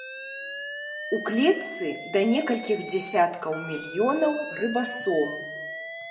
У клетцы да некалькіх дзясяткаў мільёнаў рыбасом.